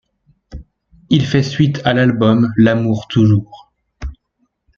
Il fait suite à l'album L'Amour toujours.